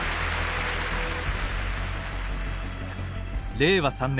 令和３年。